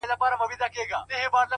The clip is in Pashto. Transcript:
نیکي د انسان تر غیابه هم خبرې کوي,